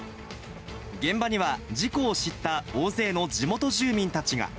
現場には事故を知った大勢の地元住民たちが。